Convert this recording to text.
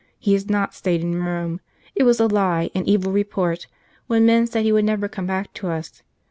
He has not stayed in Rome ! It was a lie, an evil report, when men said he would never come back to us.